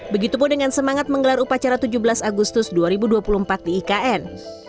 begitupun dengan semangat menggelar upacara tujuh belas agustus dua ribu dua puluh empat di ikn